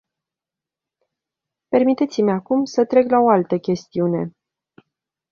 Permiteți-mi acum să trec la o altă chestiune.